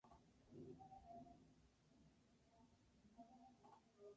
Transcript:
Ester Formosa es hija del poeta Feliu Formosa y de la actriz Maria Plans.